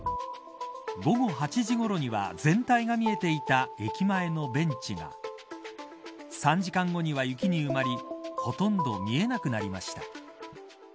午後８時ごろには全体が見えていた駅前のベンチが３時間後には雪に埋まりほとんど見えなくなりました。